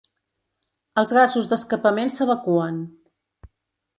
Els gasos d'escapament s'evacuen.